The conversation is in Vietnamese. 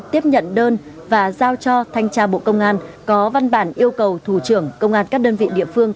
tiếp nhận đơn và giao cho thanh tra bộ công an có văn bản yêu cầu thủ trưởng công an các đơn vị địa phương